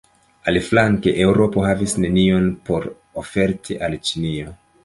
Aliflanke, Eŭropo havis nenion por oferti al Ĉinio.